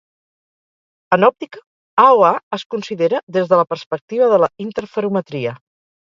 En òptica, AoA es considera des de la perspectiva de la interferometria.